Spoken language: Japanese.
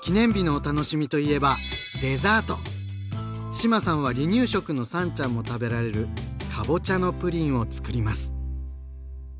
志麻さんは離乳食のさんちゃんも食べられる「かぼちゃのプリン」をつくります。